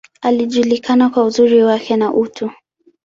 Alijulikana kwa uzuri wake, na utu.